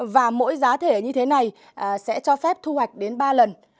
và mỗi giá thể như thế này sẽ cho phép thu hoạch đến ba lần